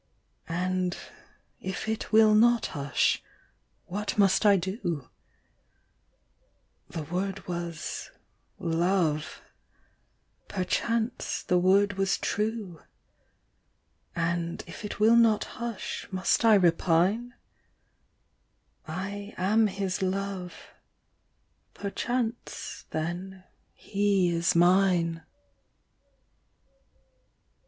And, if it will not hush, what must I do ? The word was "Love"; perchance the word was true : And, if it will not hush, must I repine ? I am his love ; perchance then he is mine.